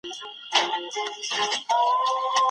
ادراکي وده د فکر کولو وړتیا ده.